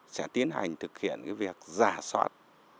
sẽ tiến hành thực hiện cái việc giả soát